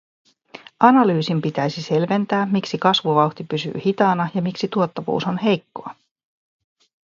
Analyysin pitäisi selventää, miksi kasvuvauhti pysyy hitaana ja miksi tuottavuus on heikkoa.